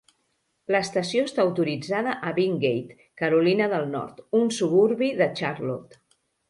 L'estació està autoritzada a Wingate, Carolina del Nord, un suburbi de Charlotte.